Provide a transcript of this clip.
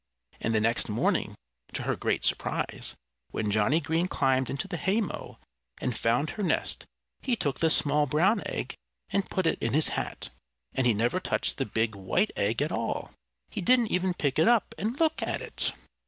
And the next morning, to her great surprise, when Johnnie Green climbed into the haymow and found her nest he took the small brown egg and put it in his hat. And he never touched the big, white egg at all. He didn't even pick it up and look at it!